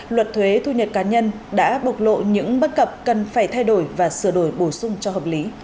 luật thuế thu nhập cá nhân đã bộc lộ những bất cập cần phải thay đổi và sửa đổi bổ sung cho hợp lý